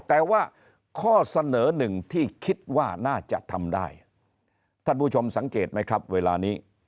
แต่ว่าข้อเสนอหนึ่งที่คิดว่าน่าจะทำได้ท่านผู้ชมสังเกตไหมครับเวลานี้